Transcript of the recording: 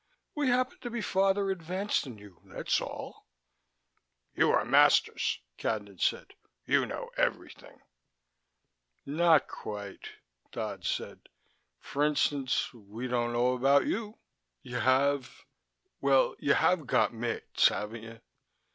We happen to be farther advanced than you, that's all." "You are masters," Cadnan said. "You know everything." "Not quite," Dodd said. "For instance, we don't know about you. You have well, you have got mates, haven't you?